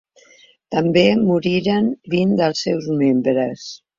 També moriren vint dels seus membres.